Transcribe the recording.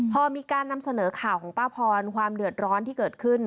พอมีการนำเสนอข่าวของป้าพรความเดือดร้อนที่เกิดขึ้น